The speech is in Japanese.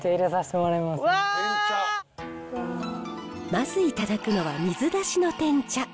まずいただくのは水出しのてん茶。